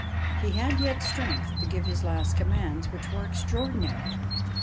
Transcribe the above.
He had yet strength to give his last commands, which were extraordinary.